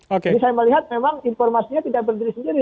jadi saya melihat memang informasinya tidak berdiri sendiri